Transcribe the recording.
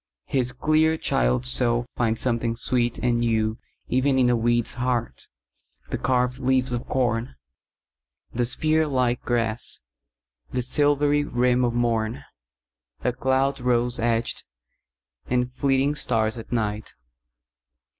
His clear child's soul finds something sweet and newEven in a weed's heart, the carved leaves of corn, The spear like grass, the silvery rim of morn,A cloud rose edged, and fleeting stars at night!